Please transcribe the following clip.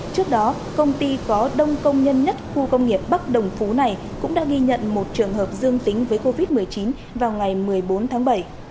trước đó công ty có đông công nhân nhất khu công nghiệp bắc đồng phú này cũng đã ghi nhận một trường hợp dương tính với covid một mươi chín vào ngày một mươi bốn tháng bảy